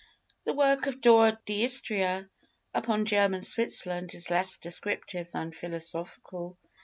The work of Dora d'Istria upon German Switzerland is less descriptive than philosophical.